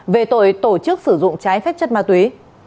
về tội tổ chức sử dụng trái phép chất ma túy